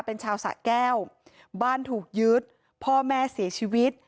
เป็นชาวสะแก้วบ้านถูกยึดพ่อแม่เสียชีวิต